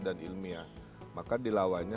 dan ilmiah maka dilawannya